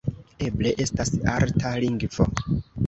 Eble estas arta lingvo.